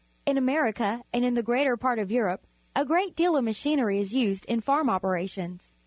In America and in the greater part of Europe a great deal of machinery is used in farm operations.